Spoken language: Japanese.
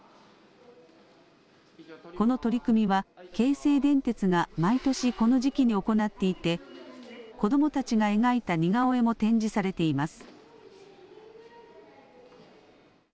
この取り組みは京成電鉄が毎年この時期に行っていて子どもたちが描いた似顔絵も展示されています。